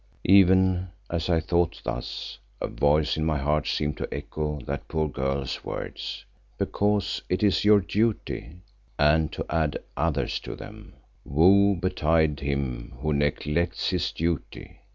Even as I thought thus a voice in my heart seemed to echo that poor girl's words—because it is your duty—and to add others to them—woe betide him who neglects his duty.